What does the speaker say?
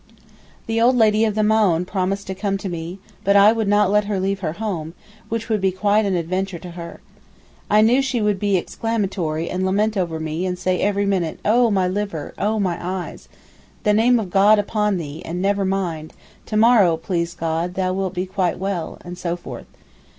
The old lady of the Maōhn proposed to come to me, but I would not let her leave her home, which would be quite an adventure to her. I knew she would be exclamatory, and lament over me, and say every minute, 'Oh my liver. Oh my eyes! The name of God be upon thee, and never mind! to morrow please God, thou wilt be quite well,' and so forth.